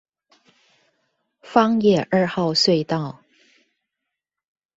枋野二號隧道